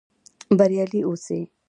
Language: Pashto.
بریالي اوسئ؟